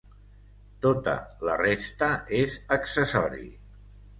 Tota la resta és accessori.